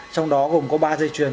trong đó gồm có ba dây chuyền